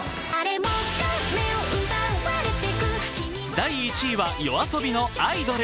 第１位はＹＯＡＳＯＢＩの「アイドル」。